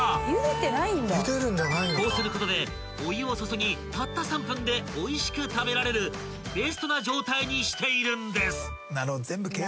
［こうすることでお湯を注ぎたった３分でおいしく食べられるベストな状態にしているんです］